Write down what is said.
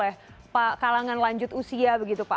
yang didominasi oleh kalangan lanjut usia begitu pak